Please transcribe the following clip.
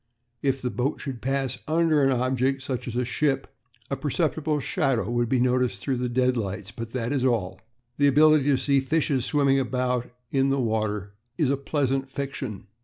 If the boat should pass under an object, such as a ship, a perceptible shadow would be noticed through the deadlights, but that is all. The ability to see fishes swimming about in the water is a pleasant fiction.